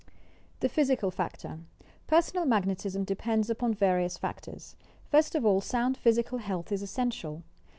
THE PHYSICAL FACTOR Personal Magnetism depends upon various factors. First of all sound physical health is essential.